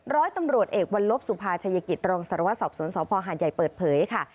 ร้อยตำรวจเอกวันลบสุภาชัยกิจรองสารวัสสอบสวนสพหาดใหญ่เปิดเผยค่ะ